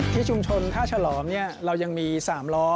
ที่ชุมชนท่าฉลอมเรายังมี๓ล้อ